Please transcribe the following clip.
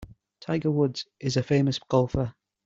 Tiger Woods is a famous golfer.